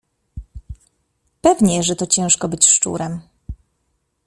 Pewnie, że to ciężko być szczurem!